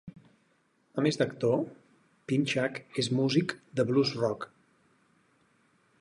A més d'actor, Pinchak és músic de blues rock.